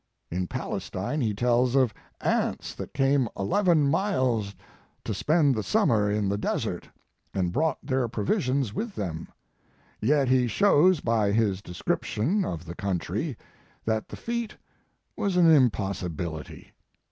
In Palestine he tells of ants that came eleven miles to spend the summer in the desert and brought their provisions with them; yet he shows by his description of the country that the feat was an impossi bility.